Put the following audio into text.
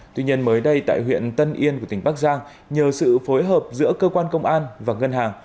tuy nhiên mới đây tại huyện tân yên của tỉnh bắc giang nhờ sự phối hợp giữa cơ quan công an và ngân hàng